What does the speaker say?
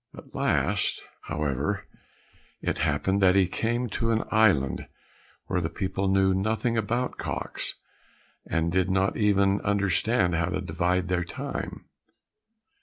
At last, however, it happened that he came to an island where the people knew nothing about cocks, and did not even understand how to divide their time.